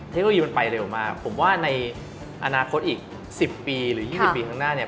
เทคโนโลยีมันไปเร็วมากผมว่าในอนาคตอีก๑๐ปีหรือ๒๐ปีข้างหน้าเนี่ย